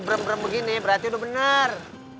berem berem begini berarti udah bener